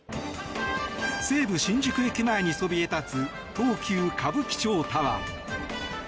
西武新宿駅前にそびえ立つ東急歌舞伎町タワー。